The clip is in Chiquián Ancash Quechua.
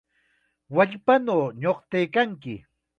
¡Wallpanaw nuqtaykanki!